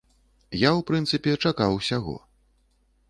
Я, у прынцыпе, чакаў усяго.